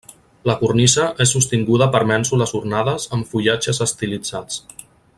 La cornisa és sostinguda per mènsules ornades amb fullatges estilitzats.